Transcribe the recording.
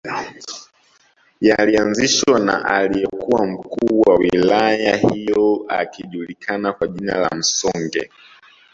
Yalianzishwa na aliyekuwa mkuu wa wilaya hiyo akijulikana kwa jina la Msonge